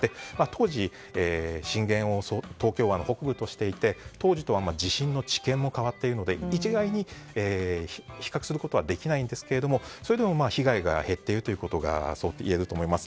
当時、震源を東京湾の北部としていて当時とは地震の知見も変わっているので一概に比較することはできないんですがそれでも被害が減っていることは言えると思います。